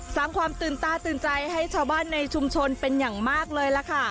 สร้างความตื่นตาตื่นใจให้ชาวบ้านในชุมชนเป็นอย่างมากเลยล่ะค่ะ